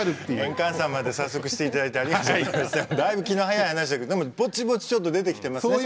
円換算まで早速していただいてだいぶ気の早い話だけどでもぼちぼちちょっと出てきてますね。